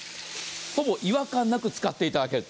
ほぼ違和感なく使っていただける。